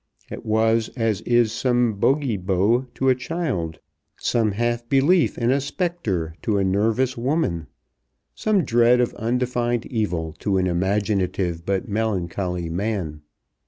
It was as is some boggy bo to a child, some half belief in a spectre to a nervous woman, some dread of undefined evil to an imaginative but melancholy man.